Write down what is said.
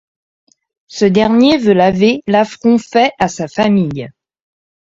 Ce dernier veut laver l'affront fait à sa famille.